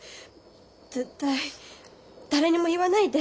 絶対誰にも言わないで。